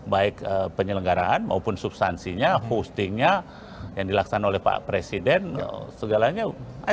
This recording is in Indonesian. baik penyelenggaraan maupun substansinya hostingnya yang dilaksanakan oleh pak presiden segalanya